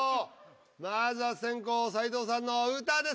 まずは先攻斎藤さんの歌です。